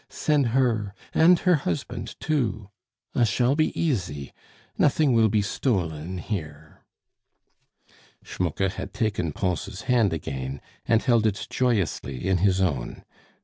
send her and her husband too. I shall be easy. Nothing will be stolen here." Schmucke had taken Pons' hand again, and held it joyously in his own.